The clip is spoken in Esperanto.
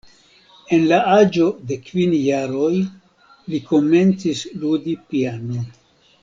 En la aĝo de kvin jaroj li komencis ludi pianon.